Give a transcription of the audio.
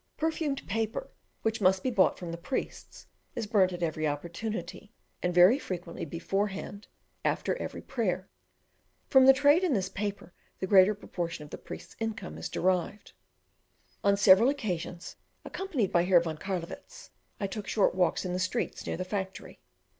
Perfumed paper, which must be bought from the priests, is burnt at every opportunity, and very frequently beforehand, after every prayer. From the trade in this paper the greater portion of the priests' income is derived. On several occasions, accompanied by Herr von Carlowitz, I took short walks in the streets near the factory.